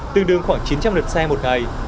tương đương khoảng chín trăm linh lượt xe một ngày